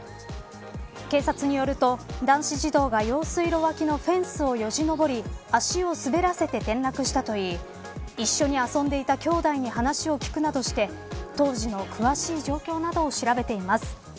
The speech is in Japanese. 警察によると、男子児童が用水路わきのフェンスをよじ登り足を滑らせて転落したといい一緒に遊んでいたきょうだいに話を聞くなどして当時の詳しい状況などを調べています。